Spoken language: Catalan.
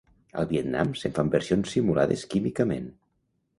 Al Vietnam se'n fan versions simulades químicament.